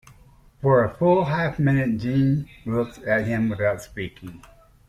For a full half minute Jeanne looked at him without speaking.